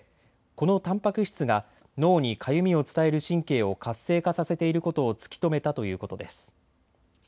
このたんぱく質が脳にかゆみを伝える神経を活性化させていることを突き止めたということです。